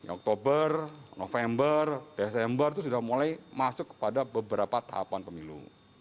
oktober november desember itu sudah mulai masuk kepada beberapa tahapan pemilu